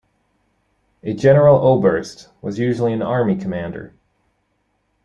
A "Generaloberst" was usually an army commander.